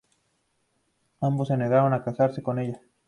Ambos se negaron a casarse con ella.